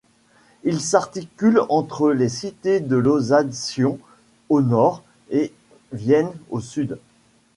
Il s'articule entre les cités de Lausanne-Sion au nord et Vienne au sud.